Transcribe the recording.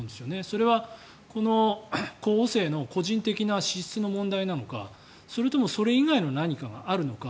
それは、この候補生の個人的な資質の問題なのかそれともそれ以外の何かがあるのか